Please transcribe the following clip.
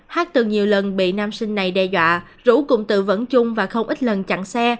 hát từng nhiều lần bị nam sinh này đe dọa rũ cùng tự vẫn chung và không ít lần chặn xe